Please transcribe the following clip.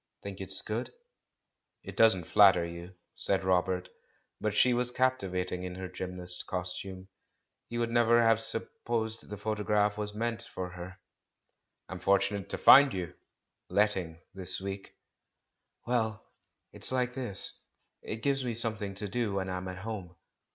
Think it's good?" "It doesn't flatter you," said Robert. But she was captivating in her gymnast's costume; he would never have supposed the photograph was THE CALL FROM THE PAST 399 meant for her. "I'm fortmiate to find you 'let ting' this week.'* "Well, it's like this, it gives me something to do when I'm at home.